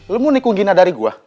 lu mau nikung gina dari gua